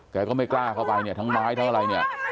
แกก็ไม่กล้าเข้าไปทั้งไม้เท่าไร